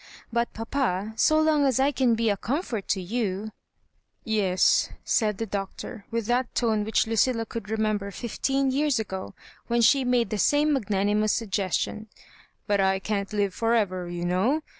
But, papa, 80 long as I can be a comfort to you "" Yes," said the Doctor, with that tone which Lucilla could remember fifteen years ago, when she made the same magnanimous suggestion, " but I can't live for ever, you know.